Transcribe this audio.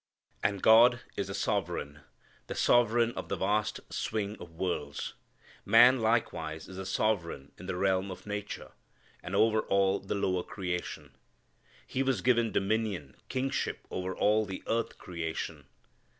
And God is a Sovereign the sovereign of the vast swing of worlds. Man likewise is a sovereign in the realm of nature, and over all the lower creation. He was given dominion, kingship, over all the earth creation.